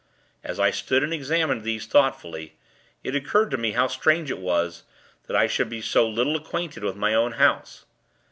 As I stood, and examined these, thoughtfully, it occurred to me how strange it was, that I should be so little acquainted with my own house.